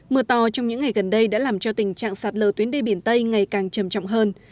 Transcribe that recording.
mưa to trong những ngày gần đây đã làm cho tình trạng sạt lờ tuyến đê biển tây ngày càng trầm trọng hơn